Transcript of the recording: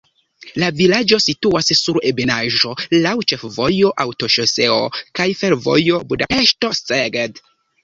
La vilaĝo situas sur ebenaĵo, laŭ ĉefvojo, aŭtoŝoseo kaj fervojo Budapeŝto-Szeged.